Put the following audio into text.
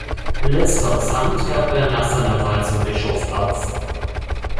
Letzteres Amt gab er nach seiner Wahl zum Bischof auf.